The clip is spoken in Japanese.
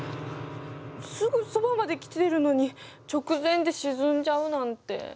すぐそばまで来てるのに直前で沈んじゃうなんて悲しい。